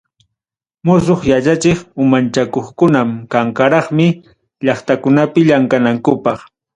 Musuq yachachiq umanchakuqkunam kanraqmi, llaqtakunapi llamkanankupaq.